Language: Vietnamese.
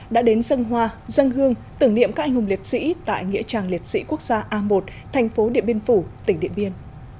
đã đến dân hoa dân hương tưởng niệm các anh hùng liệt sĩ tại nghĩa trang liệt sĩ quốc gia a một thành phố điện biên phủ tỉnh điện biên